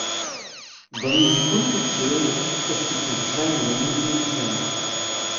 Wenn Sekunden zählen, ist die Polizei nur Minuten entfernt.